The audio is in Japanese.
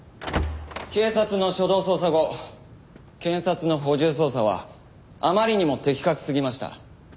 警察の初動捜査後検察の補充捜査はあまりにも的確すぎました。